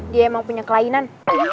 dia emang punya kelainan